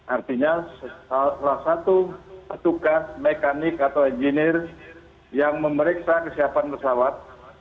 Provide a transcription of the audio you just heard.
artinya salah satu petugas mekanik atau engineer yang memeriksa kesiapan pesawat